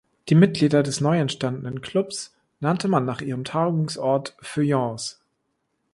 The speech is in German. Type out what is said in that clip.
Die Mitglieder des neuentstandenen Klubs nannte man nach ihrem Tagungsort „Feuillants“.